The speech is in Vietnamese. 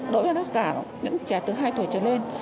đối với tất cả những trẻ từ hai tuổi trở lên